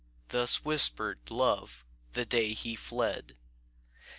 Thus whispered Love the day he fled!